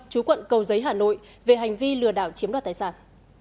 chú quận cầu giấy hà nội về hành vi lừa đảo chiếm đoạt tài sản